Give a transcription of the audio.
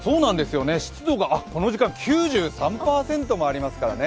湿度がこの時間９３％もありますからね